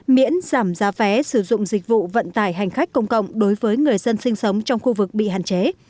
miễn giảm giá vé sử dụng dịch vụ vận tải hành khách công cộng đối với người dân sinh sống trong khu vực bị hạn chế